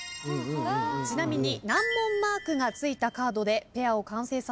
ちなみに。